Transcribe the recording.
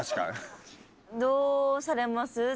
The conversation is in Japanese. どうされます？